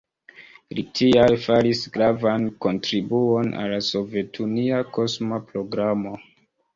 Li tial faris gravan kontribuon al la sovetunia kosma programo.